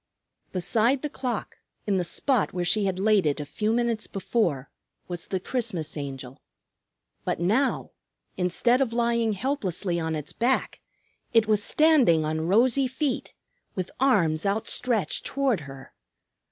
Beside the clock, in the spot where she had laid it a few minutes before, was the Christmas Angel. But now, instead of lying helplessly on its back, it was standing on rosy feet, with arms outstretched toward her.